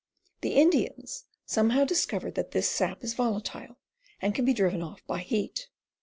The Indians somehow discovered that this sap is volatile and can be driven off by heat.